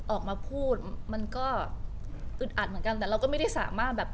ออกมาพูดมันก็อึดอัดเหมือนกันแต่เราก็ไม่ได้สามารถแบบ